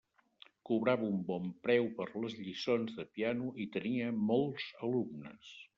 Cobrava un bon preu per les lliçons de piano, i tenia molts alumnes.